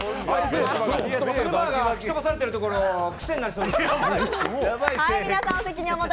妻が吹き飛ばされてるところ癖になりそうですね。